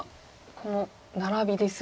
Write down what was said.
このナラビですが。